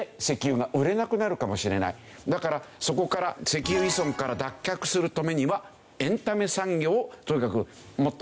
だからそこから石油依存から脱却するためにはエンタメ産業をとにかくもっと活発化しなければいけないと